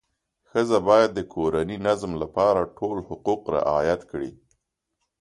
ښځه باید د کورني نظم لپاره ټول حقوق رعایت کړي.